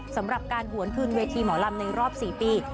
สำหรับการหวนคืนเวทีหมอลำในรอบ๔ปี